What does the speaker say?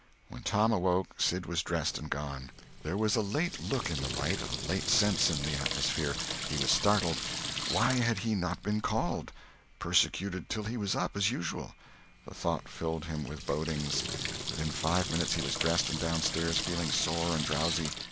When Tom awoke, Sid was dressed and gone. There was a late look in the light, a late sense in the atmosphere. He was startled. Why had he not been called—persecuted till he was up, as usual? The thought filled him with bodings. Within five minutes he was dressed and down stairs, feeling sore and drowsy.